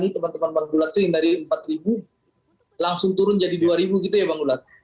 nah ini teman teman bang gulat itu yang dari rp empat langsung turun jadi rp dua gitu ya bang gulat